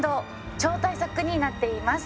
超大作になっています。